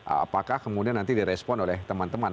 apakah kemudian nanti direspon oleh teman teman